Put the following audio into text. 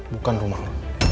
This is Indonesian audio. bukan rumah lo